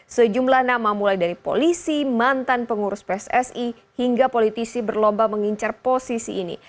sejumlah nama mulai dari polisi mantan pengurus pssi hingga politisi berlomba mengincar posisi ini